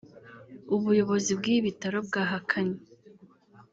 ubuyobozi bw’ibi bitaro bwahakanye